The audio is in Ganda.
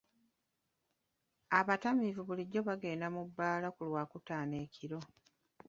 Abatamiivu bulijjo bagenda mu mabbaala ku lwokutaano ekiro.